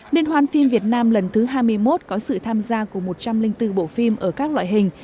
liên hoan phim việt nam lần thứ hai mươi một có sự tham gia của một trăm linh bốn bộ phim ở các loại hình